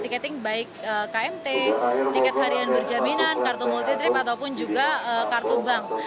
tiketing baik kmt tiket harian berjaminan kartu multi trip ataupun juga kartu bank